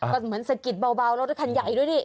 ก็เหมือนสะกิดเบารถคันใหญ่ด้วยนี่